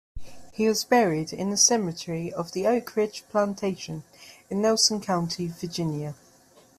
He was buried in the cemetery of the Oakridge Plantation in Nelson County, Virginia.